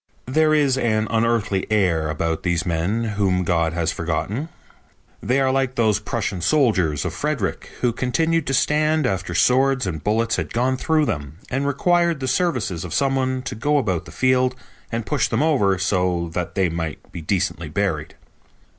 There is an unearthly air about these men whom God has forgotten. They are like those Prussian soldiers of Frederick who continued to stand after swords and bullets had gone through them and required the services of some one to go about the field and push them over so that they might be decently buried.